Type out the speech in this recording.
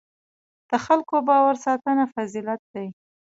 د خلکو باور ساتنه فضیلت دی.